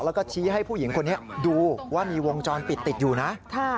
แล้วก็ชี้ให้ผู้หญิงคนนี้ดูว่ามีวงจรปิดติดอยู่นะ